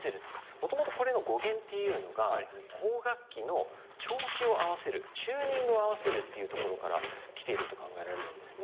元々これの語源っていうのが邦楽器の「調子を合わせる」チューニングを合わせるっていうところからきていると考えられるんですね。